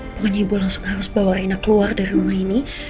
pokoknya ibu harus bawa inak keluar dari rumah ini